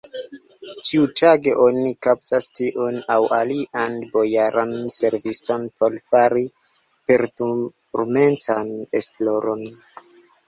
Ĉiutage oni kaptas tiun aŭ alian bojaran serviston por fari perturmentan esploron.